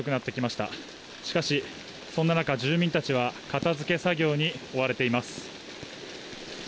しかしそんな中、住民たちは片づけ作業に追われています。